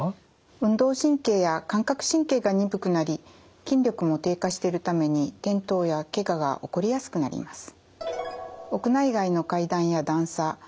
運動神経や感覚神経が鈍くなり筋力も低下してるために転倒やけがが起こりやすくなります。